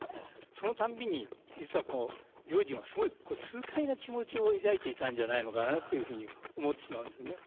そのたんびに実は良順はすごい痛快な気持ちを抱いていたんじゃないのかなというふうに思ってしまうんですね。